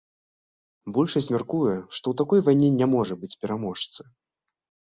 Большасць мяркуе, што ў такой вайне не можа быць пераможцы.